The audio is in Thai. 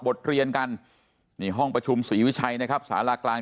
บทเรียนกันนี่ห้องประชุมศรีวิชัยนะครับสารากลาง